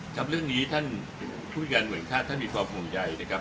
ครับเรื่องนี้ท่านพูดกันเหมือนค่าท่านมีความผงใยนะครับ